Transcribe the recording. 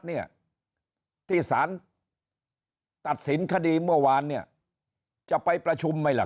เนี่ยที่สารตัดสินคดีเมื่อวานเนี่ยจะไปประชุมไหมล่ะ